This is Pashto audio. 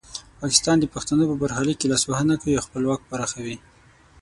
پاکستان د پښتنو په برخلیک کې لاسوهنه کوي او خپل واک پراخوي.